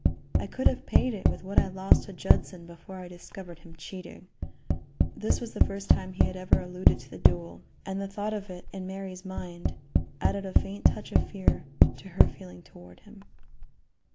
I could have paid it with what I lost to Judson before I discovered him cheating." This was the first time he had ever alluded to the duel, and the thought of it, in Mary's mind, added a faint touch of fear to her feeling toward him.